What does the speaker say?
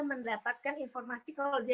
mendapatkan informasi kalau dia